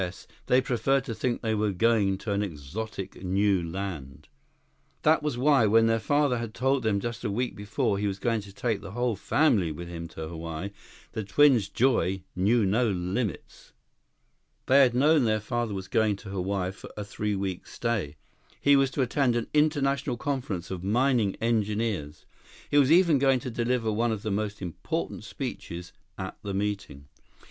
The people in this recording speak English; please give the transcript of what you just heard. S., they preferred to think they were going to an exotic new land. That was why, when their father had told them just a week before he was going to take the whole family with him to Hawaii, the twins' joy knew no limits. They had known their father was going to Hawaii for a three weeks' stay. He was to attend an international conference of mining engineers. He was even going to deliver one of the most important speeches at the meeting.